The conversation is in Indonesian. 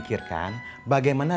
tidak apa bang